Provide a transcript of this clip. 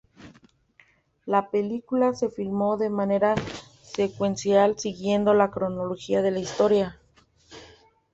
La película se filmó de manera secuencial, siguiendo la cronología de la historia.